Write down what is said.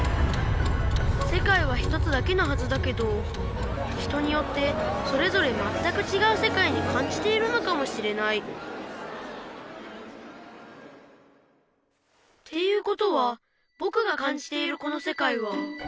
せかいは１つだけのはずだけど人によってそれぞれまったくちがうせかいにかんじているのかもしれないっていうことはぼくがかんじているこのせかいは。